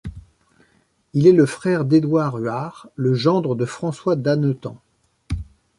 Il est le frère d'Édouard d'Huart, le gendre de François d'Anethan.